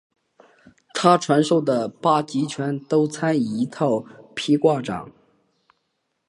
他传授的八极拳都参以一套劈挂掌。